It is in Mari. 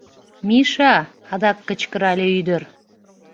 — Миша! — адак кычкырале ӱдыр.